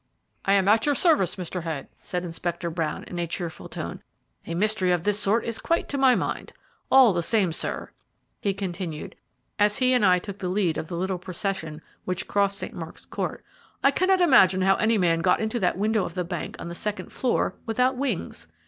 "I am at your service, Mr. Head," said Inspector Brown, in a cheerful tone; "a mystery of this sort is quite to my mind. All the same, sir," he continued, as he and I took the lead of the little procession which crossed St. Mark's Court, "I cannot imagine how any man got into that window of the bank on the second floor without wings.